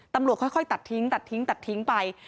ตำรวจค่อยตัดทิ้งไป